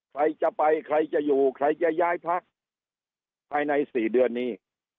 ใครจะไปใครจะอยู่ใครจะย้ายพักภายใน๔เดือนนี้